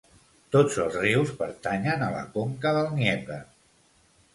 Tots els rius pertanyen a la conca del Dnièper.